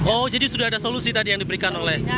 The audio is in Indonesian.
oh jadi sudah ada solusi tadi yang diberikan oleh